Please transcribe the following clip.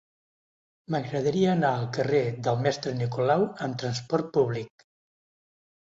M'agradaria anar al carrer del Mestre Nicolau amb trasport públic.